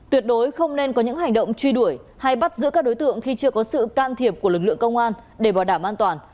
tuyệt đối không nên có những hành động truy đuổi hay bắt giữ các đối tượng khi chưa có sự can thiệp của lực lượng công an để bảo đảm an toàn